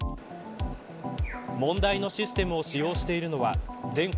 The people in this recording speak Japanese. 問題のシステムを使用しているのは全国